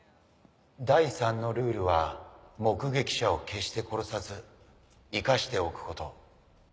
第三のルールは目撃者を決して殺さず生かしておくこと」。